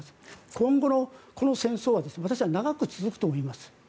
今後、この戦争は私は長く続くと思います。